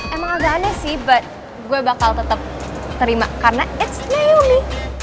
emang agak aneh sih but gue bakal tetep terima karena it's naomi